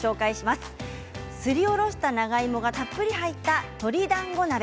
すりおろした長芋がたっぷり入った鶏だんご鍋。